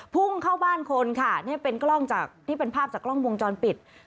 พุ่งเข้าบ้านคนนี่เป็นภาพจากกล้องวงจรปิด